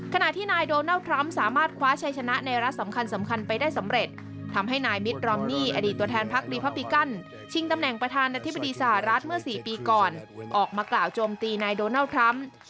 ขณะที่นายโดนัลด์ทรัมป์สามารถคว้าชัยชนะในรัฐสำคัญไปได้สำเร็จทำให้นายมิตรรอมนี่อดีตตัวแทนพักรีพับปิกันชิงตำแหน่งประธานาธิบดีสหรัฐเมื่อ๔ปีก่อนออกมากล่าวโจมตีนายโดนัลด์ทรัมป์